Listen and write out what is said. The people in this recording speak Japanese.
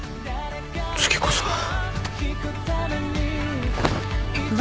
次こそは。